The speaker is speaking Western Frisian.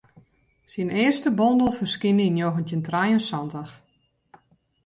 Syn earste bondel ferskynde yn njoggentjin trije en santich.